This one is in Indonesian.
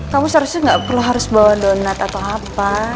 kamu seharusnya nggak perlu harus bawa donat atau apa